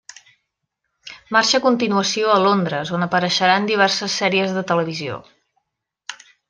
Marxa a continuació a Londres on apareixerà en diverses sèries de televisió.